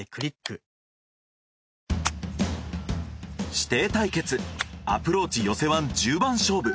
師弟対決アプローチ寄せワン１０番勝負。